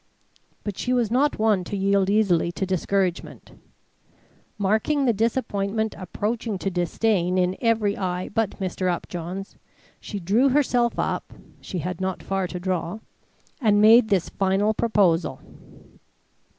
But she was not one to yield easily to discouragement. Marking the disappointment approaching to disdain in every eye but Mr. Upjohn's, she drew herself up (she had not far to draw) and made this final proposal.